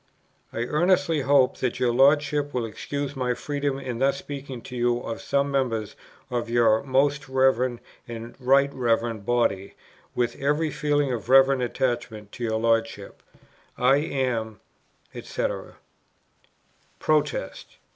"I earnestly hope that your Lordship will excuse my freedom in thus speaking to you of some members of your Most Rev. and Right Rev. Body. With every feeling of reverent attachment to your Lordship, "I am, &c." PROTEST.